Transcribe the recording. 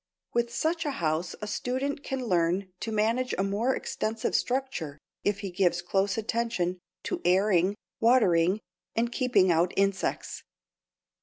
With such a house a student can learn to manage a more extensive structure if he gives close attention to airing, watering, and keeping out insects.